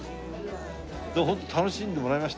でもホント楽しんでもらえました？